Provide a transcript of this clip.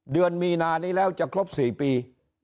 เดือนมีนานี้แล้วจะครบ๔ปี